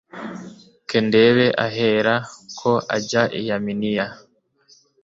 kendebe ahera ko ajya i yaminiya